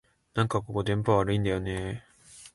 なんかここ、電波悪いんだよねえ